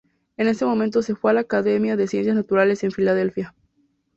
En ese momento se fue a la Academia de Ciencias Naturales en Filadelfia.